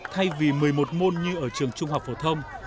thay vì một mươi một môn như ở trường trung học phổ thông